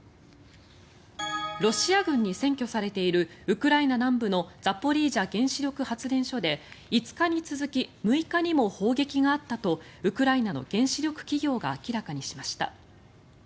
ロシア軍に占拠されているウクライナ南部のザポリージャ原子力発電所で５日に続き６日にも砲撃があったとウクライナの原子力企業が明らかにしました。